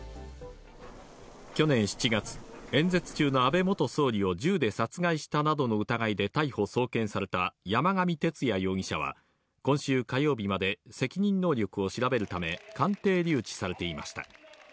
去年７月、演説中の安倍元総理を銃で殺害したなどの疑いで逮捕・送検された山上徹也容疑者は、今週火曜日まで責任能力を調べるため鑑定留置されていました。